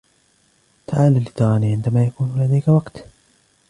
تعال لتراني عندما يكون لديك وقت.